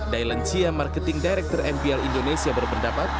dylan chia marketing director mpl indonesia berpendapat